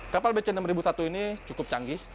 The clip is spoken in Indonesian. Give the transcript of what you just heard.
kapal bc enam ribu satu ini cukup canggih